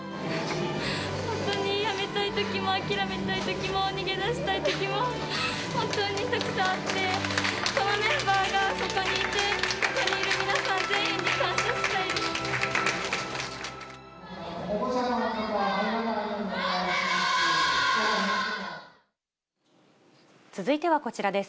本当に辞めたいときも、諦めたいときも、逃げ出したいときも、本当にたくさんあって、このメンバーがここにいて、ここにいる皆さん全員に感謝したいです。